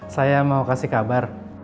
saya mau kasih kabar